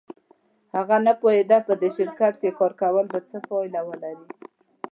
هغه نه پوهېده چې په دې شرکت کې کار کول به څه پایله ولري